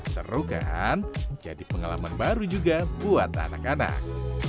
seru kan jadi pengalaman baru juga buat anak anak